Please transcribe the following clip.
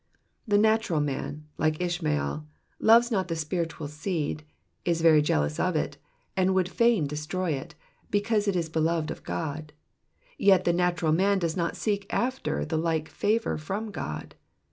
The natural man, like Ishmael, loves not the spiritual seed, is very jealous of it, and would fain destroy it, because it is beloved of God ; yet the natural man does not seek after the like favour from God.